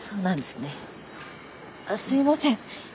すいません